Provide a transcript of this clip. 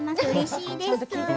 うれしいです。